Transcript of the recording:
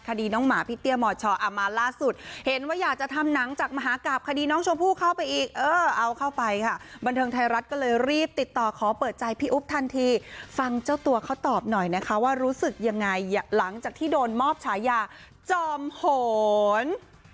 น้องหมาพี่เตี้ยมชมาล่าสุดเห็นว่าอยากจะทำหนังจากมหากราบคดีน้องชมพู่เข้าไปอีกเออเอาเข้าไปค่ะบันเทิงไทยรัฐก็เลยรีบติดต่อขอเปิดใจพี่อุ๊บทันทีฟังเจ้าตัวเขาตอบหน่อยนะคะว่ารู้สึกยังไงหลังจากที่โดนมอบฉายาจอมโหน